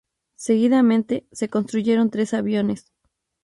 Seguidamente, se construyeron tres aviones.